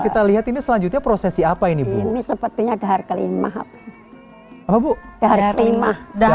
kita lihat ini selanjutnya prosesi apa ini ini sepertinya dahar kelima bu dahar kelima